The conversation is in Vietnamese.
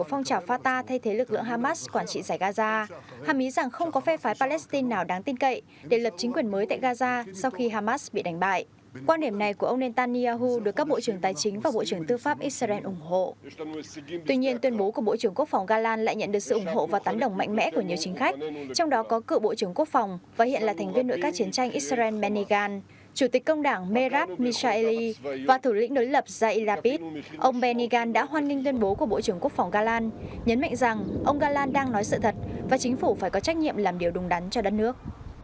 ông bennigan đã hoan nghênh tuyên bố của bộ trưởng quốc phòng galan nhấn mệnh rằng ông galan đang nói sự thật và chính phủ phải có trách nhiệm làm điều đúng đắn cho đất nước